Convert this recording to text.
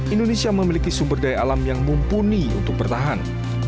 indonesia memiliki sumber daya alam yang mumpuni untuk bertahan